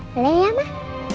boleh ya mah